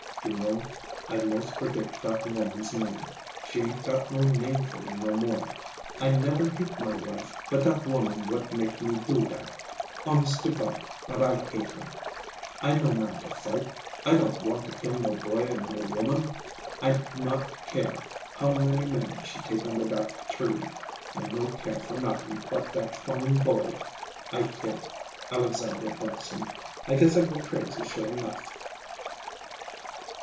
"You know, I most forgit dat woman's name. She ain't got no name for me no more. I never hate my wife, but dat woman what make me do dat—Honest to God, but I hate her! I no man to fight. I don' want to kill no boy and no woman. I not care how many men she take under dat tree. I no care for not'ing but dat fine boy I kill, Alexandra Bergson. I guess I go crazy sure 'nough."